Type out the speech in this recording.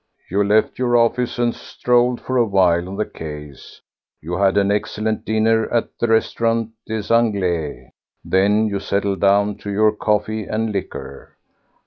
You left your office and strolled for a while on the quays; you had an excellent dinner at the Restaurant des Anglais; then you settled down to your coffee and liqueur.